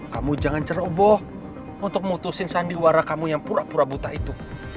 kamu jangan ceroboh untuk mutusin sandiwara kamu yang pura pura buta itu